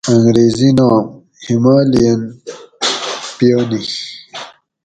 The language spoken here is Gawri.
انگریزی نام -------- Himalayan Peony